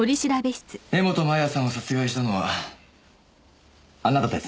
柄本麻耶さんを殺害したのはあなたですね？